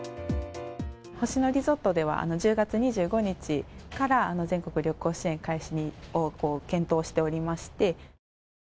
星野リゾートでは１０月２５日から、全国旅行支援開始を検討しておりまして。